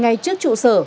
ngay trước trụ sở